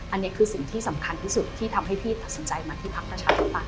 อันนี้คือสิ่งที่สำคัญที่สุดที่ทำให้พี่ตัดสินใจมาที่พักประชาธิปไตย